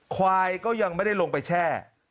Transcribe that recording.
ควายก็ยังไม่ได้ลงไปแช่